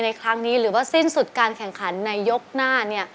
ในครั้งนี้หรือว่าสิ้นสุดการแข่งขันในยกหน้าเนี่ย